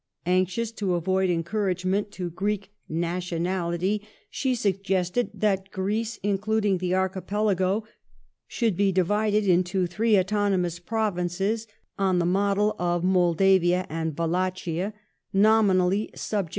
Anxious to avoid encourage ment to Greek " nationality,'' she suggested that Greece, including the Archipelago, should be divided into three autonomous provinces, on the model of Moldavia and Wallachia, nominally subject to 1 Where Byron had died, April igth, 1824.